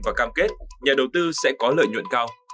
và cam kết nhà đầu tư sẽ có lợi nhuận cao